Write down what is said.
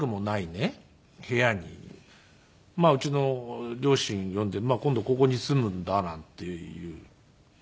部屋にうちの両親呼んで「今度ここに住むんだ」なんていって。